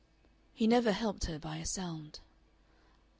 He never helped her by a sound.